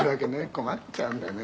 「困っちゃうんだよね」